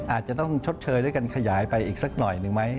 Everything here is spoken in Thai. อาจจะต้องชดเชยด้วยกันขยายไปอีกสักหน่อยหนึ่งไหม